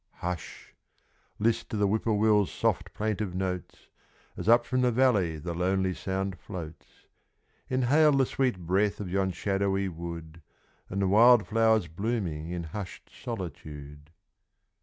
Hush! list to the Whip poor will's soft plaintive notes, As up from the valley the lonely sound floats, Inhale the sweet breath of yon shadowy wood And the wild flowers blooming in hushed solitude.